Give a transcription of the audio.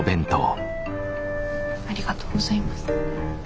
ありがとうございます。